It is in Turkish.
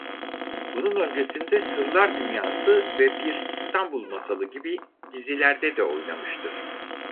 Bunun öncesinde Sırlar Dünyası ve Bir İstanbul Masalı gibi dizilerde de oynamıştır.